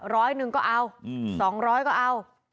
ร้อยหนึ่งก็เอาสองร้อยก็เอา